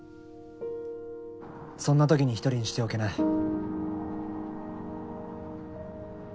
そんな時に１人にしておけない。